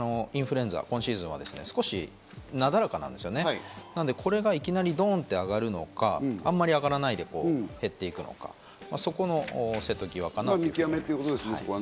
それに比べて今年のインフルエンザ、今シーズンは少しなだらかなんですね、これがいきなりドンと上がるのか、あまり上がらないで減っていくのか、そこの瀬戸際かなということです。